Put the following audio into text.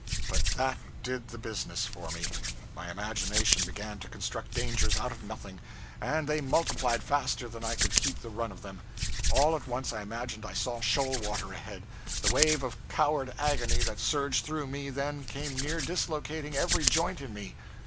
But that did the business for me. My imagination began to construct dangers out of nothing, and they multiplied faster than I could keep the run of them. All at once I imagined I saw shoal water ahead! The wave of coward agony that surged through me then came near dislocating every joint in me.